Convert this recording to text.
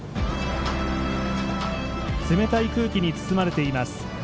冷たい空気に包まれています。